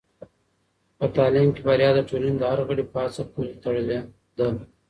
په تعلیم کې بریا د ټولنې د هر غړي په هڅه پورې تړلې ده.